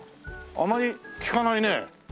あまり聞かないねえ。